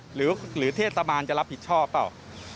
หรือเทศบาลจะรับผิดชอบเปล่า